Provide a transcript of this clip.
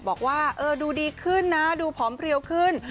บอกว่าดูดีขึ้นนะดูผอมเพลียวขึ้น